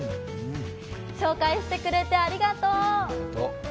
紹介してくれてありがとう。